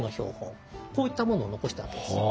こういったものを残したわけです。